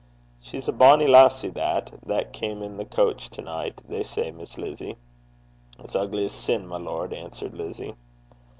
'She's a bonnie lassie that, that came in the coach to night, they say, Miss Lizzie.' 'As ugly 's sin, my lord,' answered Lizzie.